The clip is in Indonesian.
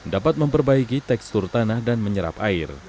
dapat memperbaiki tekstur tanah dan menyerap air